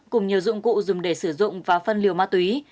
cùng nhiều dụng cụ dùng để sử dụng và phân liều ma túy